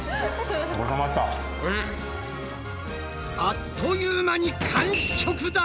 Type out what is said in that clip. あっという間に完食だ！